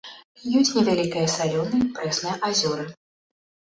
Ёсць невялікія салёныя і прэсныя азёры.